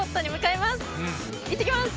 いってきます！